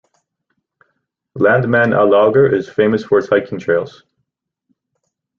Landmannalaugar is famous for its hiking trails.